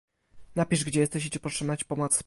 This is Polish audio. "Napisz, gdzie jesteś i czy potrzebna ci pomoc."